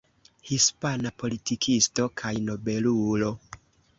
Hispana politikisto kaj nobelulo.